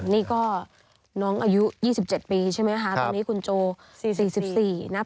นี่ก็น้องอายุ๒๗ปีใช่ไหมคะตอนนี้คุณโจ๔๔นะ